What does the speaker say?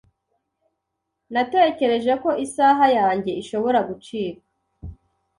Natekereje ko isaha yanjye ishobora gucika.